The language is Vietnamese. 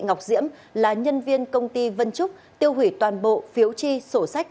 ngọc diễm là nhân viên công ty vân trúc tiêu hủy toàn bộ phiếu chi sổ sách